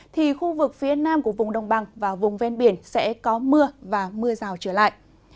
thì khu vực phía nam của vùng đồng bằng và vùng ven biển sẽ có mưa và mưa rào trở lại